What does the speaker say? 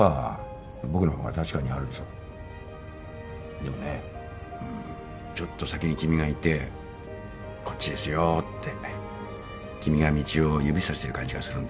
でもねうんちょっと先に君がいてこっちですよって君が道を指さしてる感じがするんだよな。